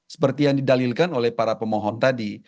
seperti yang didalilkan oleh para pemohon tadi